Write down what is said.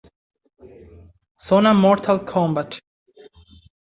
Zona Mortal Kombat